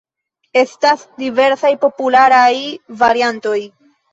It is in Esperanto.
Estas diversaj popularaj variantoj.